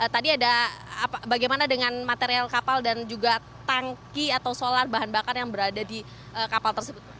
tadi ada bagaimana dengan material kapal dan juga tangki atau solar bahan bakar yang berada di kapal tersebut